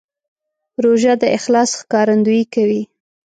روژه د اخلاص ښکارندویي کوي.